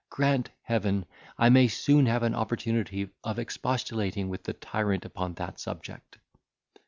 Grant, Heaven, I may soon have an opportunity of expostulating with the tyrant upon that subject."